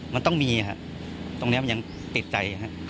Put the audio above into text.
มันต้องมีครับตรงนี้มันยังติดใจฮะ